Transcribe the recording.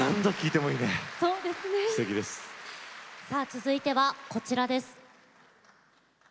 続いてはこちらです。